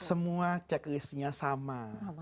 semua checklistnya sama